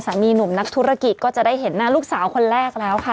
หนุ่มนักธุรกิจก็จะได้เห็นหน้าลูกสาวคนแรกแล้วค่ะ